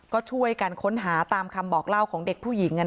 ก็ช่วยกันค้นหาตามคำบอกเล่าของเด็กผู้หญิง